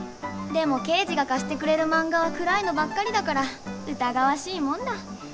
でも圭次が貸してくれる漫画は暗いのばっかりだから疑わしいもんだ。